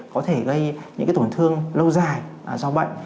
có thể gây những tổn thương lâu dài do bệnh